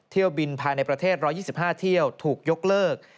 เที่ยวบินภายในประเทศ๑๒๕เที่ยวถูกยกเลิก